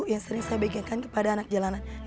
yang sering saya pikirkan kepada anak jalanan